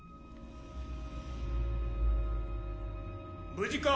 無事か？